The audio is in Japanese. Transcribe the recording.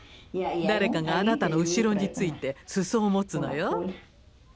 誰かがあなたの後ろについてすそを持つのよ。